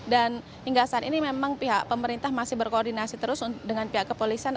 dan hingga saat ini memang pihak pemerintah masih berkoordinasi terus dengan pihak kepolisan